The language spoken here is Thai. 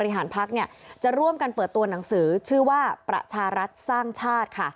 หนังสือชื่อว่าประชารัฐสร้างชาติ